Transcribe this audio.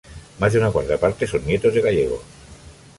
Más de una cuarta parte son nietos de gallegos.